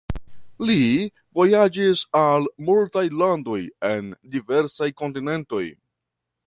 Li vojaĝis al multaj landoj en diversaj kontinentoj.